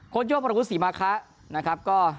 คนโย่มรกฤษีมาคะ